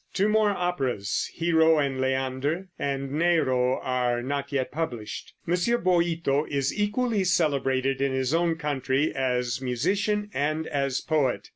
Two more operas "Hero and Leander" and "Nero" are not yet published. M. Boito is equally celebrated in his own country as musician and as poet.